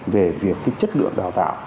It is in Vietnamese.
về việc cái chất lượng đào tạo